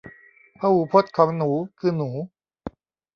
พหูพจน์ของหนูคือหนู